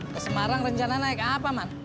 ke semarang rencana naik ke apa man